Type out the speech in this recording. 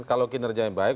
kalau kinerja yang baik